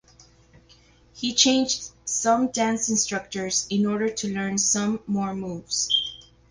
He changed some dance instructors in order to learn some more moves.